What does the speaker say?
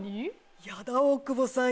ヤダ大久保さん